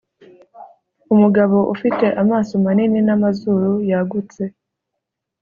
umugabo ufite amaso manini n'amazuru yagutse